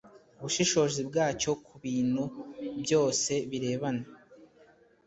bushishozi bwacyo ku bintu byose birebana